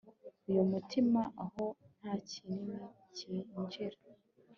Uyu mutima aho ntakindi cyinjira